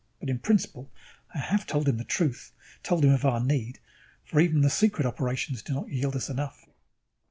But, in principle, I have told him the truth, told him of our need; for even the secret operations do not yield us enough.